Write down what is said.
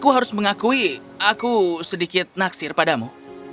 aku harus mengakui aku sedikit naksir padamu